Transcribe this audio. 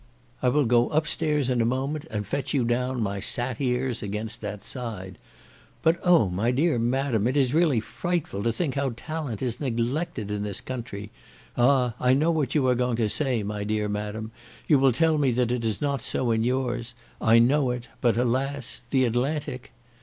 I will go up stairs in a moment and fetch you down my sat heres against that side. But oh! my dear madam! it is really frightful to think how talent is neglected in this country. Ah! I know what you are going to say, my dear madam, you will tell me that it is not so in yours. I know it! but alas! the Atlantic!